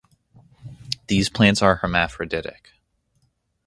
These plants are hermaphroditic.